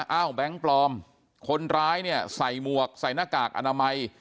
เอ้าแบงค์ปลอมคนร้ายใส่มวกใส่หน้ากากอนามัย